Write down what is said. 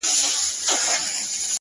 كه زړه يې يوسې و خپل كور ته گراني !